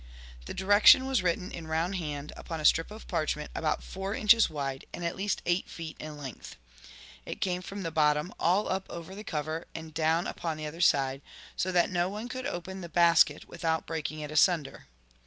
The direction was written in round hand upon a strip of parchment, about four inches wide and at least eight feet in length. It came from the bottom all up over the cover and down upon the other side, so that no one could open the basket without breaking it asunder.